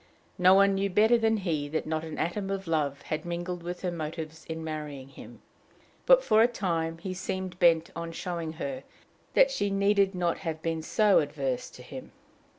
No one knew better than he that not an atom of love had mingled with her motives in marrying him; but for a time he seemed bent on showing her that she needed not have been so averse to him.